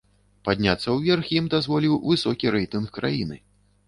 Падняцца ўверх ім дазволіў высокі рэйтынг краіны.